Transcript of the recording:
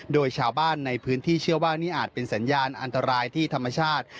โดยชาวบ้านในพื้นที่เชื่อว่านี่อาจเป็นสัญญาณอันตรายที่ธรรมชาติ